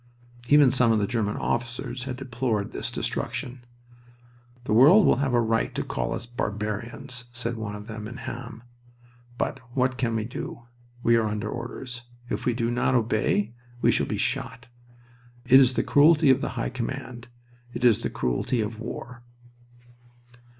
Even some of the German officers had deplored this destruction. "The world will have a right to call us barbarians," said one of them in Ham. "But what can we do? We are under orders. If we do not obey we shall be shot. It is the cruelty of the High Command. It is the cruelty of war."